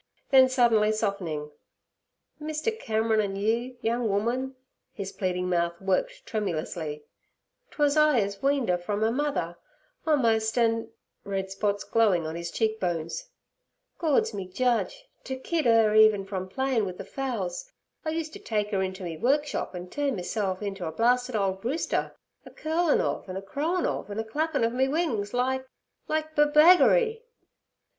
Then, suddenly softening: 'Mr. Cameron, an' you, young woman' his pleading mouth working tremulously, "twas I ez weaned 'er from 'er mother a'most, an"—red spots glowing on his cheekbones—'Gord's me Judge, to kid 'er even from playin' wi' the fowls, I used ter take 'er inter me workshop an' turn meself inter a blarsted ole rooster, a curlin' ov, an' a crowin' ov, an' a clappin' ov me wings like—like b beggary!'